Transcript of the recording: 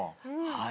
はい。